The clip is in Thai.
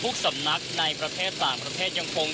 ติดตามการรายงานสดจากคุณทัศนายโค้ดทองค่ะ